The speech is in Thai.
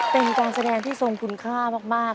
เป็นการแสดงที่ทรงคุณค่ามาก